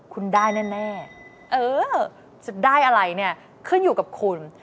คุณได้แน่เออจะได้อะไรเนี่ยขึ้นอยู่กับคุณ